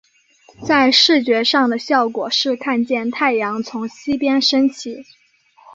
在视觉上的效果是看见太阳从西边升起。